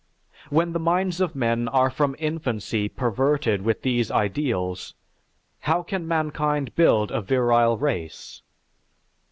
When the minds of men are from infancy perverted with these ideals, how can mankind build a virile race?